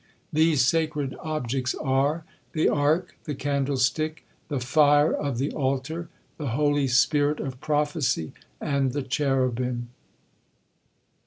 These sacred objects are: the Ark, the candlestick, the fire of the altar, the Holy Spirit of prophecy, and the Cherubim.